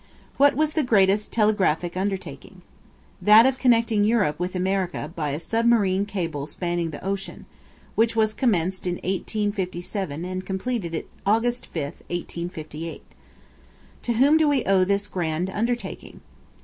What was the greatest telegraphic undertaking? That of connecting Europe with America by a submarine cable spanning the ocean, which was commenced in 1857 and completed August 5, 1858. To whom do we owe this grand undertaking?